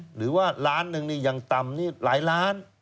หรือว่าล้านหนึ่งนี่ยังต่ำนี่หลายล้าน